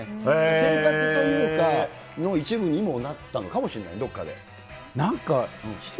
生活というか、の一部にもなったのかもしんない、どこかで。